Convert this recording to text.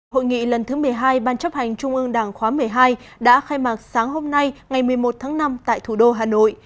hội nghị lần thứ một mươi hai ban chấp hành trung ương đảng khóa một mươi hai đã khai mạc sáng hôm nay ngày một mươi một tháng năm tại thủ đô hà nội